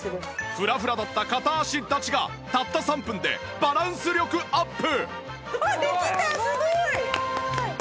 フラフラだった片足立ちがたった３分でバランス力アップ！